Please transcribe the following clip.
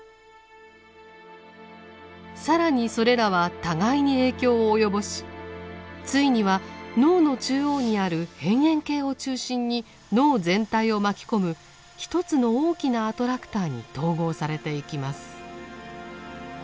更にそれらは互いに影響を及ぼしついには脳の中央にある辺縁系を中心に脳全体を巻き込む一つの大きなアトラクターに統合されていきます。